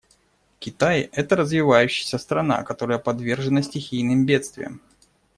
Китай — это развивающаяся страна, которая подвержена стихийным бедствиям.